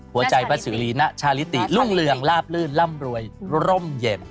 หัวใจพระศิวรีนชาฬิติรุ่งเรืองลาบลื่นล่ำรวยร่มเย็น